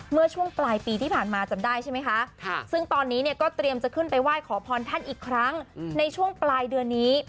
เมื่อช่วงปลายปีที่ผ่านมาจำได้ใช่ไหมคะซึ่งตอนนี้เนี่ยก็เตรียมจะขึ้นไปไหว้ขอพรท่านอีกครั้งในช่วงปลายเดือนนี้